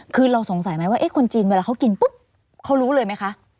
คือเราสงสัยไหมว่าคนจีนเวลาเขากินปุ๊บเขารู้เลยไหมคะ